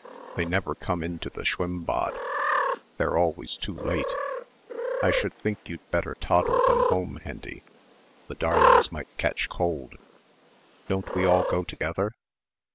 They never come into the Schwimmbad, they're always too late. I should think you'd better toddle them home, Hendy the darlings might catch cold." "Don't we all go together?"